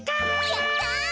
やった！